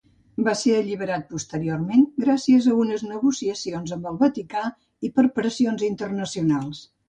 Va ser alliberat posteriorment gràcies a unes negociacions amb el Vaticà i per pressions internacionals.